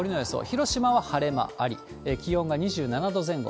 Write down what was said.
広島は晴れ間あり、気温が２７度前後。